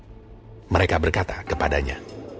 maka dikumpulkannya semua imam kepala dan ahli taurat bangsa yahudi